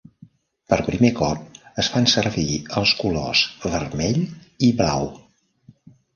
Per primer cop es fan servir els colors vermell i blau.